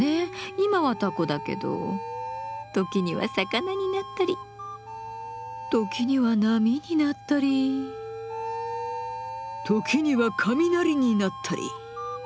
今はタコだけど時には魚になったり時には波になったり時には雷になったり。